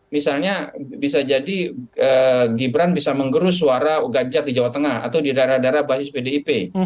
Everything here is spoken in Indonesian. misalnya bisa jadi gibran bisa menggerus suara ganjar di jawa tengah atau di daerah daerah basis pdip